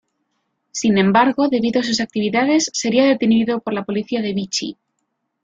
Sin embargo, debido a sus actividades sería detenido por la policía de Vichy.